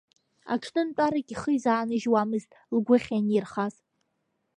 Аҽнынтәарак ихы изанажьуамызт лгәы ахьынирхаз.